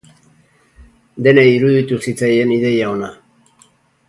Denei iruditu zitzaien ideia ona.